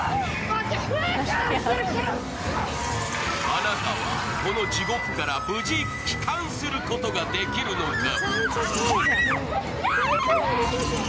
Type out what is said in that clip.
あなたは、この地獄から無事帰還することができるのか？